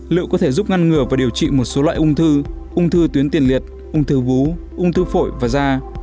liệu có thể giúp ngăn ngừa và điều trị một số loại ung thư ung thư tuyến tiền liệt ung thư vú ung thư phổi và da